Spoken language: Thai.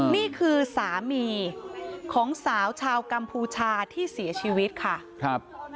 นี่คือสามีของสาวชาวกัมพูชาที่เสียชีวิตค่ะครับ